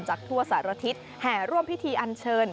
ทั่วสารทิศแห่ร่วมพิธีอันเชิญ